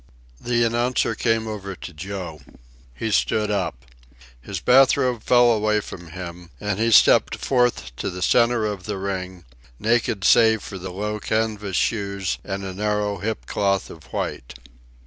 The announcer came over to Joe. He stood up. His bath robe fell away from him, and he stepped forth to the centre of the ring, naked save for the low canvas shoes and a narrow hip cloth of white.